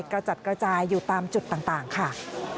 กระจัดกระจายอยู่ตามจุดต่างค่ะ